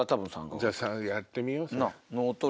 じゃあやってみようそれ。